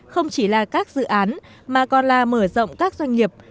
không chỉ là các dự án mà còn là mở rộng các doanh nghiệp